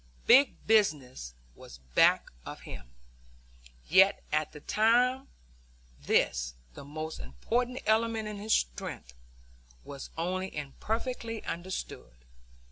"Big business" was back of him; yet at the time this, the most important element in his strength, was only imperfectly understood.